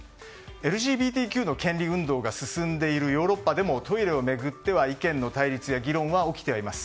ＬＧＢＴＱの権利運動が進んでいるヨーロッパでもトイレを巡っては意見の対立や議論は起きてはいます。